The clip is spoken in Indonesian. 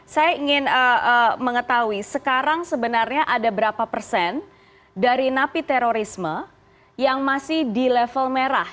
saya ingin mengetahui sekarang sebenarnya ada berapa persen dari napi terorisme yang masih di level merah